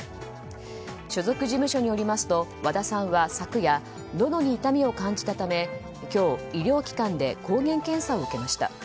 所属事務所によりますと和田さんは昨夜のどに痛みを感じたため今日、医療機関で抗原検査を受けました。